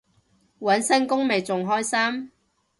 搵新工咪仲開心